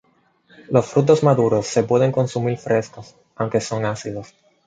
Los frutos maduros se pueden consumir frescos, aunque son ácidos.